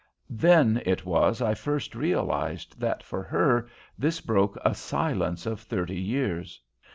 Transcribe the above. Then it was I first realized that for her this broke a silence of thirty years.